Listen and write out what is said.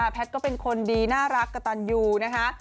แพทย์ก็เป็นคนดีน่ารักกระตันยูนะคะ